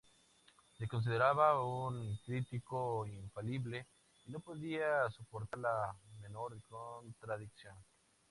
Se consideraba un crítico infalible, y no podía soportar la menor contradicción.